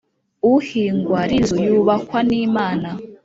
uhingwa r inzu yubakwa n Imana